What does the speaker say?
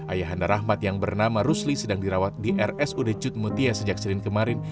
ayah handa rahmat yang bernama rusli sedang dirawat di rs udecut mutia sejak sering kemarin